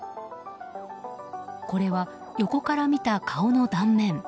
これは横から見た顔の断面。